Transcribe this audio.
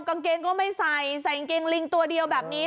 กางเกงใส่แฟนงักฆาตนิดแบบนี้